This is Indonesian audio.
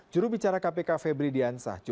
jurubicara kpk febri diansah